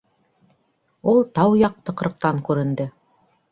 Ул тау яҡ тыҡрыҡтан күренде.